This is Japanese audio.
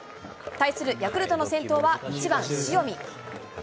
対するヤクルトの先頭は１番塩見。